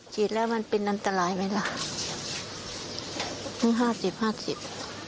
ฉีดแล้วมันเป็นอันตรายไหมล่ะเพิ่งห้าสิบห้าสิบ